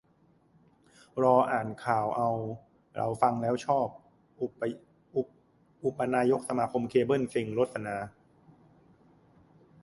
รออ่านข่าวเอา - เราฟังแล้วชอบอุปนายกสมาคมเคเบิ้ล เซ็งรสนา